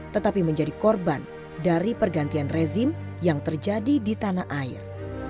tetapi menjadi korban dari pergantian rezim yang terjadi di tanah air